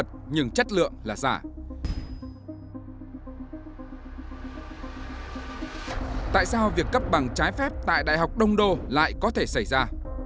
tại sao việc cấp bằng trái phép tại đại học đông đô lại có thể xảy ra